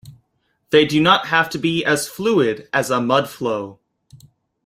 They do not have to be as fluid as a mudflow.